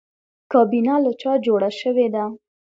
کابینه له چا جوړه شوې ده؟